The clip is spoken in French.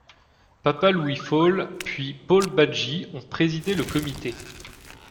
Papa Louis Fall puis Paul Badji ont présidé le Comité.